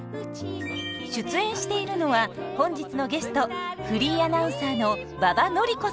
出演しているのは本日のゲストフリーアナウンサーの馬場典子さん。